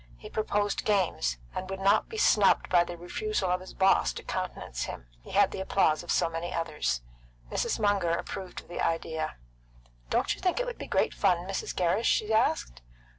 He proposed games, and would not be snubbed by the refusal of his boss to countenance him, he had the applause of so many others. Mrs. Munger approved of the idea. "Don't you think it would be great fun, Mrs. Gerrish?" she asked.